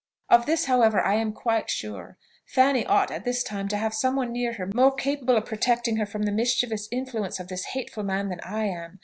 Of this however I am quite sure, Fanny ought at this time to have some one near her more capable of protecting her from the mischievous influence of this hateful man than I am.